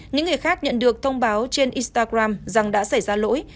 những người khác nhận được thông báo trên instagram rằng đã xảy ra lỗi